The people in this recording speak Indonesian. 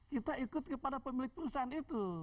kita ikut kepada pemilik perusahaan itu